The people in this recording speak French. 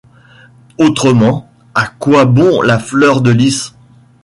Autrement, à quoi bon la fleur de lys?